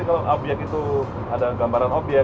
kalau ada gambaran objek